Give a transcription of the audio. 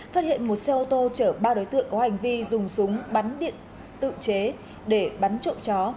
phát hiện một xe ô tô chở ba đối tượng có hành vi dùng súng bắn điện tự chế để bắn trộm chó